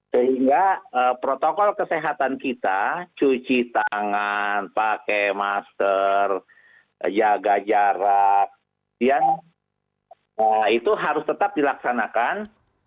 sehingga protokol kesehatan kita cuci tangan pakai masker jaga jarak itu harus tetap dilaksanakan